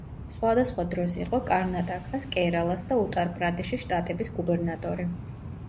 სხვადასხვა დროს იყო კარნატაკას, კერალას და უტარ-პრადეშის შტატების გუბერნატორი.